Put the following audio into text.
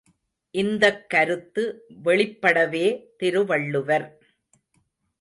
இந்தக் கருத்து வெளிப்படவே திருவள்ளுவர்.